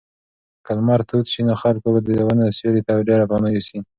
که لمر تود شي نو خلک به د ونو سیوري ته ډېر پناه یوسي.